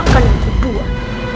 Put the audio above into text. aku akan memanjirkan